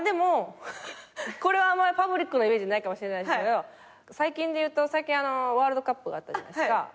これはあまりパブリックなイメージないかもしれないですけど最近で言うとワールドカップがあったじゃないですか。